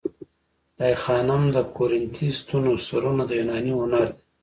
د آی خانم د کورینتی ستونو سرونه د یوناني هنر دي